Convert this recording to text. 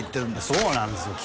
そうなんですよ